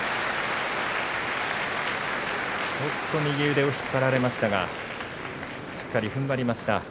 右腕を引っ張られましたがしっかりふんばりました。